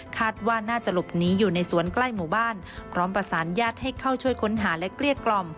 คาดว่าน่าจะหลบหนีอยู่ในสวนใกล้หมู่บ้านพร้อมประสานญาติให้เข้าช่วยค้นหาและเกลี้ยกล่อม